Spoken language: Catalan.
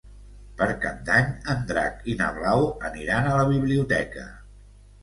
Per Cap d'Any en Drac i na Blau aniran a la biblioteca.